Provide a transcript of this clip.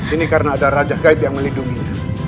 ini karena ada raja gaib yang melindunginya